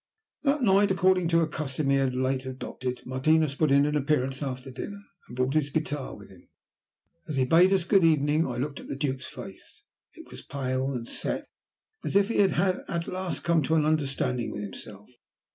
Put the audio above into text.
That night, according to a custom he had of late adopted, Martinos put in an appearance after dinner, and brought his guitar with him. As he bade us "good evening" I looked at the Duke's face. It was pale and set as if he had at last come to an understanding with himself.